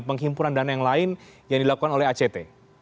penghimpunan dana yang lain yang dilakukan oleh act